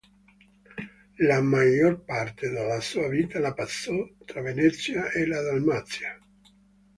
La maggior parte della sua vita la passò tra Venezia e la Dalmazia.